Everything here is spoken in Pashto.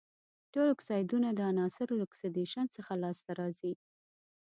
ټول اکسایدونه د عناصرو له اکسیدیشن څخه لاس ته راځي.